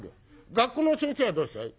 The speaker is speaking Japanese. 学校の先生がどうしたい？」。